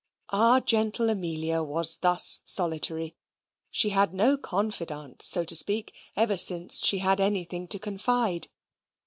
Our gentle Amelia was thus solitary. She had no confidante, so to speak, ever since she had anything to confide.